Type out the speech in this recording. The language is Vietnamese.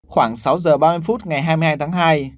khoảng sáu giờ ba mươi phút ngày hai mươi hai tháng hai